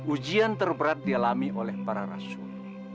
ujian terberat dialami oleh para rasul